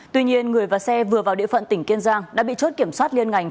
tuy nhiên người và xe vừa vào địa phận tỉnh kiên giang đã bị chốt kiểm soát liên ngành